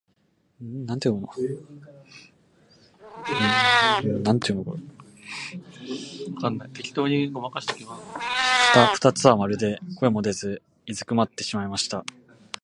二疋はまるで声も出ず居すくまってしまいました。